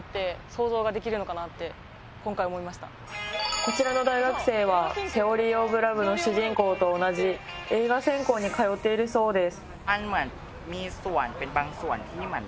こちらの大学生は「Ｔｈｅｏｒｙｏｆｌｏｖｅ／セオリー・オブ・ラブ」の主人公と同じ映画専攻に通っているそうです。